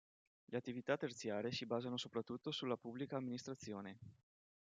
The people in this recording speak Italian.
Le attività terziarie si basano soprattutto sulla pubblica amministrazione.